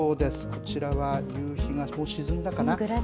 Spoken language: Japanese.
こちらは夕日が沈んだかな。